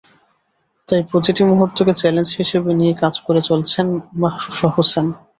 তাই প্রতিটি মুহূর্তকে চ্যালেঞ্জ হিসেবে নিয়ে কাজ করে চলেছেন মাহরুফা হোসেন।